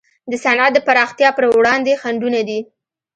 د صنعت د پراختیا پر وړاندې خنډونه دي.